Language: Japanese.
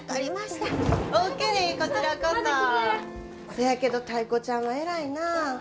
せやけどタイ子ちゃんは偉いなあ。